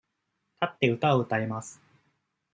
立って、歌を歌います。